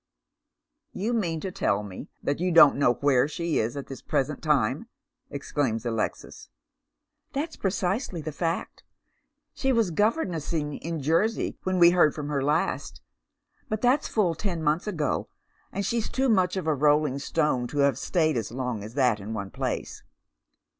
" You mean to tell me that you don't know where she is at this present time !" exclaims Alexis. " That's precisely the fact. She was governessing in Jersey when we heard from her last, but that's full ten months ago, and she's too much of a rolling stone to have stayed as long as that in one place.